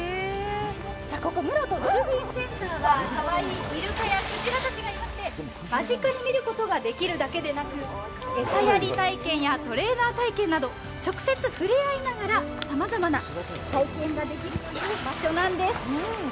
ここ、室戸ドルフィンセンターはかわいいいるかやくじらたちがいまして間近に見れるだけでなくて、餌やり体験やトレーナー体験など直接、触れ合いながらさまざまな体験ができるという場所なんです。